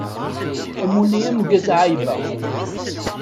Amulli ameggaz a Aiba!